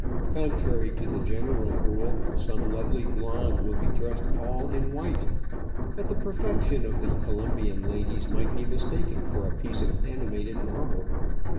Contrary " to the general rule, some lovely blonde will be dressed all in white ; but the per fection of the Co lombian ladies might be mistaken for a piece of animated marble.